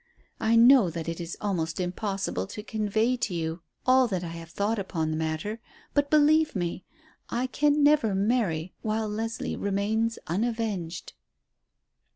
I know that it is almost impossible to convey to you all that I have thought upon the matter; but, believe me, I can never marry while Leslie remains unavenged."